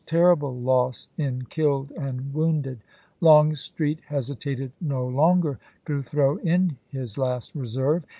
terrible loss in killed and wounded." Lougstreet oi^^' X hesitated no longer to throw in his last reserve.